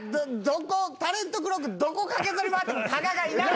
タレントクロークどこ駆けずり回っても加賀がいない。